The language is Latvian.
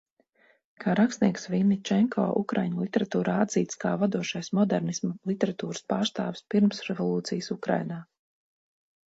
Kā rakstnieks Vinničenko ukraiņu literatūrā atzīts kā vadošais modernisma literatūras pārstāvis pirmsrevolūcijas Ukrainā.